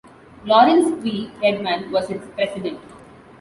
Lawrence V. Redman was its president.